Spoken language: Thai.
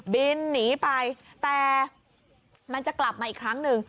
บินหนีไปแต่มันจะกลับมาอีกครั้งหนึ่ง